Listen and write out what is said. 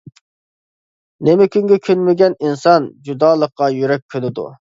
نېمە كۈنگە كۆنمىگەن ئىنسان، جۇدالىققا يۈرەك كۆنىدۇ.